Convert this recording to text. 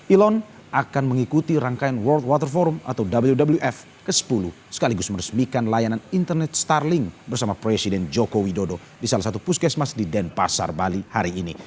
elon akan mengikuti rangkaian world water forum atau wwf ke sepuluh sekaligus meresmikan layanan internet starling bersama presiden joko widodo di salah satu puskesmas di denpasar bali hari ini